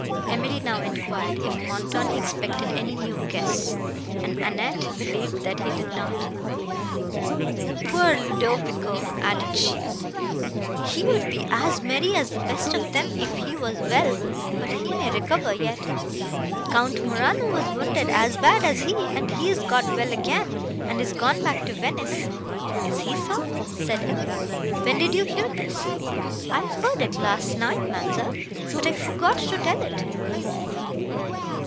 Emily now enquired, if Montoni expected any new guests? and Annette believed that he did not. "Poor Ludovico!" added she, "he would be as merry as the best of them, if he was well; but he may recover yet. Count Morano was wounded as bad, as he, and he is got well again, and is gone back to Venice." "Is he so?" said Emily, "when did you hear this?" "I heard it last night, ma'amselle, but I forgot to tell it."